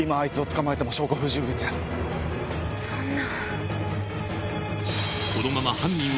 そんな！